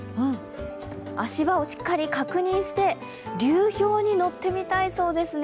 足場をしっかり確認して、流氷に乗ってみたいそうですね。